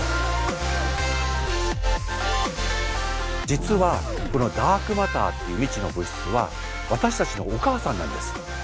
実はこのダークマターっていう未知の物質は私たちのお母さんなんです。